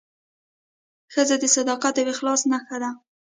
ښځه د صداقت او اخلاص نښه ده.